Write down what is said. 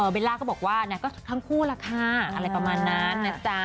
เบลล่าก็บอกว่านะก็ทั้งคู่น่ะไครอะไรประมาณนั้น